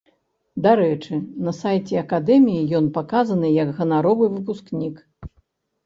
Дарэчы, на сайце акадэміі ён паказаны як ганаровы выпускнік.